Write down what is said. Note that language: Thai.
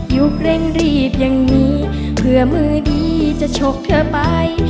เร่งรีบอย่างนี้เผื่อมือดีจะชกเธอไป